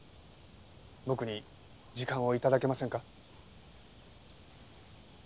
僕に時間を頂けませんか？